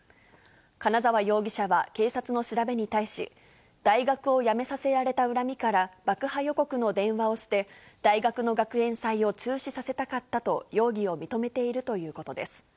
金澤容疑者は、警察の調べに対し、大学を辞めさせられた恨みから、爆破予告の電話をして、大学の学園祭を中止させたかったと容疑を認めているということです。